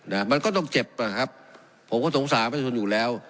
นะมันก็ต้องเจ็บนะครับผมก็สงสารประชาชนอยู่แล้ว